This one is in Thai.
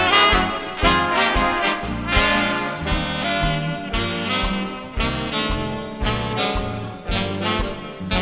ขอบความจากฝ่าให้บรรดาดวงคันสุขสิทธิ์